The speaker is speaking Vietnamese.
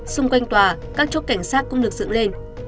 xung quanh tòa các chốt cảnh sát cũng được dựng lên